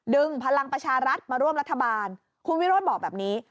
พลังประชารัฐมาร่วมรัฐบาลคุณวิโรธบอกแบบนี้